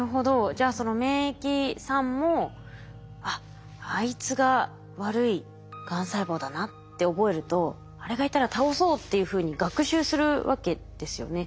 じゃあその免疫さんも「あっあいつが悪いがん細胞だな」って覚えるとあれがいたら倒そうっていうふうに学習するわけですよね。